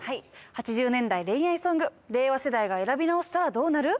８０年代恋愛ソング令和世代が選び直したらどうなる？